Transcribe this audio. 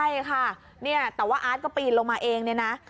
ใช่ค่ะเนี่ยแต่ว่าอาร์ตก็ปีนลงมาเองเนี่ยนะ